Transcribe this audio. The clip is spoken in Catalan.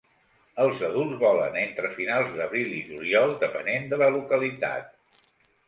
Els adults volen entre finals d'abril i juliol, depenent de la localitat.